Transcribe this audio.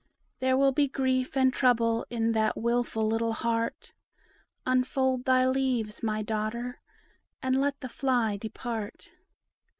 There will be grief and trouble in that wilful little heart; Unfold thy leaves, my daughter, and let the fly depart."